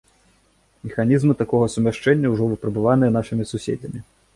Механізмы такога сумяшчэння ўжо выпрабаваныя нашымі суседзямі.